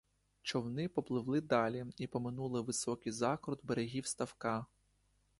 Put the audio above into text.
Човни попливли далі й поминули високий закрут берегів ставка.